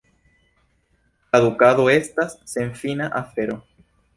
Tradukado estas senfina afero.